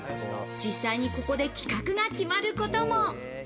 実際にここで企画が決まることも。